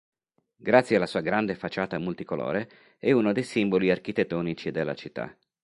Grazie alla sua grande facciata multicolore è uno dei simboli architettonici della città.